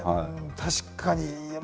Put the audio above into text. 確かに。